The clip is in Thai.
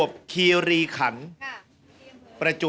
ไม่ธรรมดา